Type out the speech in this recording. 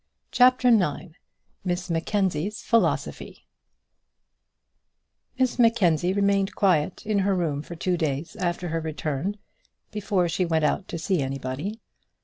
CHAPTER IX Miss Mackenzie's Philosophy Miss Mackenzie remained quiet in her room for two days after her return before she went out to see anybody.